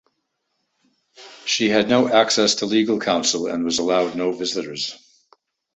She had no access to legal counsel and was allowed no visitors.